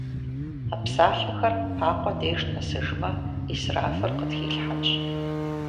А псалъэхэр Пакъуэ деж нэсыжмэ, ӏисрафыр къытхилъхьэнщ.